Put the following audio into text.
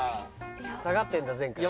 下がってんだ前回から。